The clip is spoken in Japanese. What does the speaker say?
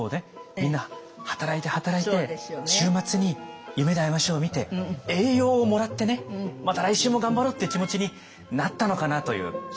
みんな働いて働いて週末に「夢であいましょう」を見て「永養」をもらってねまた来週も頑張ろうっていう気持ちになったのかなという。